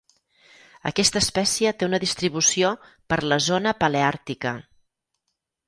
Aquesta espècie té una distribució per la zona paleàrtica.